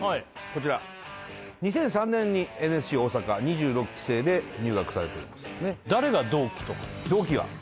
こちらはい２００３年にＮＳＣ大阪２６期生で入学されておりますね同期は？